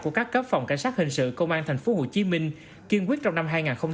của các cấp phòng cảnh sát hình sự công an tp hcm kiên quyết trong năm hai nghìn hai mươi ba